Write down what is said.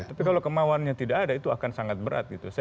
tapi kalau kemauannya tidak ada itu akan sangat berat gitu